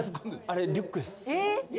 あれリュックです。